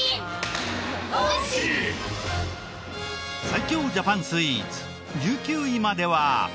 最強ジャパンスイーツ１９位までは。